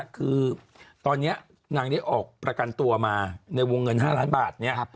คือตอนนี้นางได้ออกประกันตัวมาในวงเงิน๕ล้านบาทเนี่ย